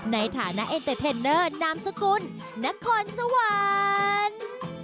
ในฐานะเอ็นเตอร์เทนเนอร์นามสกุลนครสวรรค์